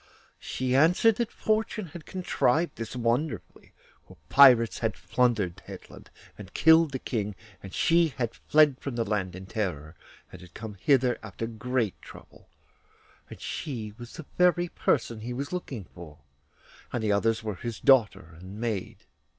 She answered that fortune had contrived this wonderfully, for pirates had plundered Hetland and killed the King, and she had fled from the land in terror, and had come hither after great trouble, and she was the very person he was looking for, and the others were her daughter and maid.